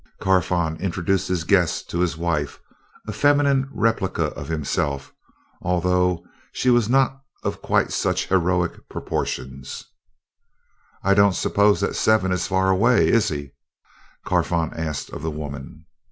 Carfon introduced his guests to his wife a feminine replica of himself, although she was not of quite such heroic proportions. "I don't suppose that Seven is far away, is he?" Carfon asked of the woman.